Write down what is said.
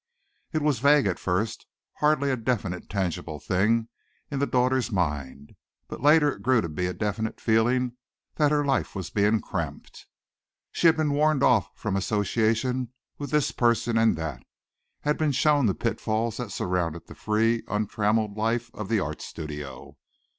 It was vague at first, hardly a definite, tangible thing in the daughter's mind, but later it grew to be a definite feeling that her life was being cramped. She had been warned off from association with this person and that; had been shown the pitfalls that surround the free, untrammelled life of the art studio.